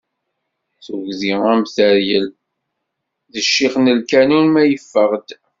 Tugdi am teryel, d ccix n lkanun ma yeffeɣ-d.